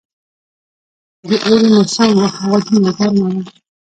د اوړي موسم وو، هوا دومره ګرمه وه.